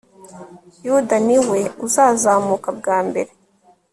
yuda ni we uzazamuka bwa mbere